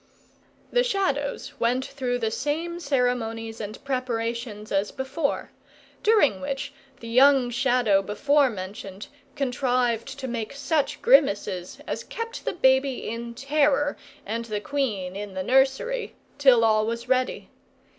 The Shadows went through the same ceremonies and preparations as before; during which, the young Shadow before mentioned contrived to make such grimaces as kept the baby in terror, and the queen in the nursery, till all was ready.